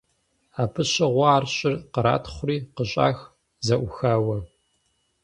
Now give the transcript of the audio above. Абы щыгъуэ ар щӀыр къратхъури къыщӀах зэӀухауэ.